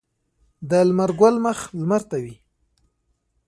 د لمر ګل مخ لمر ته وي